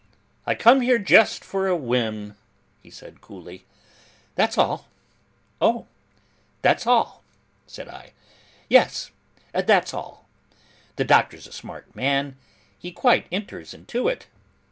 'I come here just for a whim,' he said coolly. 'That's all.' 'Oh! That's all!' said I. 'Yes. That's all. The Doctor's a smart man. He quite enters into it.